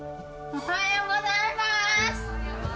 おはようございます。